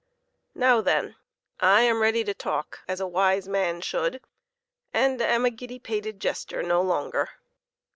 Now, then, I am ready to talk as a wise man should, and am a giddy pated jester no longer